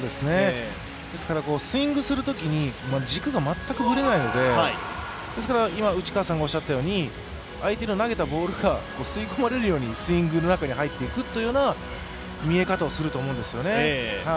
ですからスイングするとき軸が全くぶれないので相手の投げたボールが吸い込まれるようにスイングの中に入っていったという見え方をすると思うんですよね。